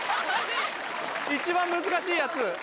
一番難しいやつ。